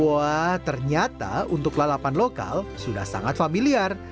wah ternyata untuk lalapan lokal sudah sangat familiar